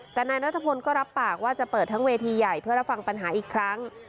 แต่นายนัทพลก็รับปากว่าจะเปิดทั้งเวทีใหญ่เพื่อรับฟังปัญหาอีกครั้ง